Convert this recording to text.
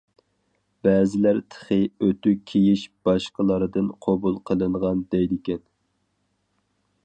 بەزىلەر تېخى ئۆتۈك كىيىش باشقىلاردىن قوبۇل قىلىنغان دەيدىكەن.